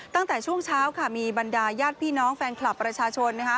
ตั้งแต่ช่วงเช้าค่ะมีบรรดาญาติพี่น้องแฟนคลับประชาชนนะคะ